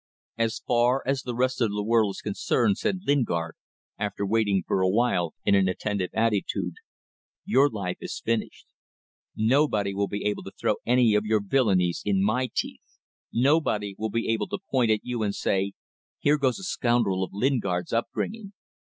"As far as the rest of the world is concerned," said Lingard, after waiting for awhile in an attentive attitude, "your life is finished. Nobody will be able to throw any of your villainies in my teeth; nobody will be able to point at you and say, 'Here goes a scoundrel of Lingard's up bringing.